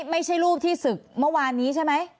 ไม่ใช่รูปที่ศึกเมื่อวานนี้ใช่ไหม